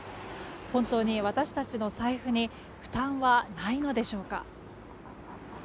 本当に私たちの財布に負担はないのでしょうか？